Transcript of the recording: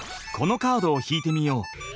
このカードを引いてみよう！